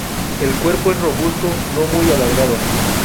El cuerpo es robusto, no muy alargado.